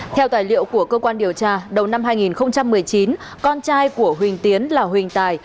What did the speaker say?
theo tài liệu của cơ quan điều tra đầu năm hai nghìn một mươi chín con trai của huỳnh tiến là huỳnh tài